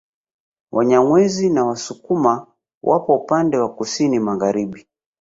Wanyamwezi na Wasukuma wapo upande wa Kusini magharibi